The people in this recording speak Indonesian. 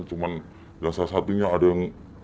cuma yang salah satunya ada yang